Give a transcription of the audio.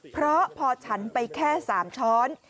เพราะพอฉันไปแค่๓ช้อน